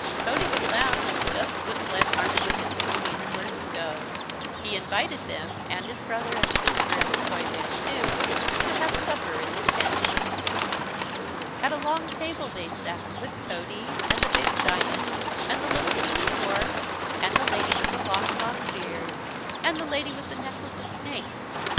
Tody the Clown just wouldn't let Marmaduke and little Wienerwurst go. He invited them and his brother and sister and the Toyman, too, to have supper in the tent. At a long table they sat, with Tody, and the big giant, and the little teeny dwarf, and the Lady with the Long Long Beard, and the Lady with the Necklace of Snakes.